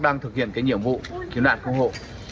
đang thực hiện nhiệm vụ kiếm nạn công hộ